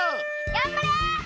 がんばれ！